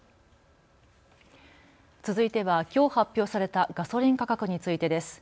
続いてはきょう発表されたガソリン価格についてです。